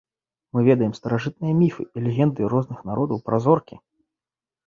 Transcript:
Мы ведаем старажытныя міфы і легенды розных народаў пра зоркі.